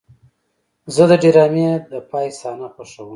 زه د ډرامې د پای صحنه خوښوم.